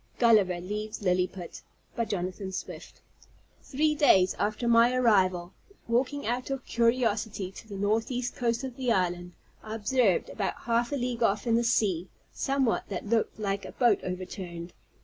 GULLIVER LEAVES LILLIPUT By Jonathan Swift Three days after my arrival, walking out of curiosity to the northeast coast of the island, I observed, about half a league off, in the sea, somewhat that looked like a boat overturned.